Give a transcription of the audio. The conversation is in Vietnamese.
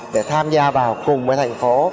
để tham gia vào cùng với thành phố